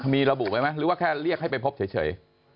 มีระบุบริการหรือว่าเรียกให้ไปพบเฉย